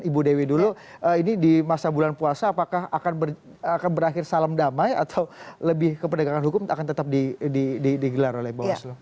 ibu dewi dulu ini di masa bulan puasa apakah akan berakhir salam damai atau lebih ke perdagangan hukum akan tetap digelar oleh bawaslu